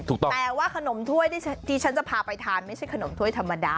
แต่ว่าขนมถ้วยที่ฉันจะพาไปทานไม่ใช่ขนมถ้วยธรรมดา